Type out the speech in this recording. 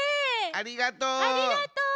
ありがとう。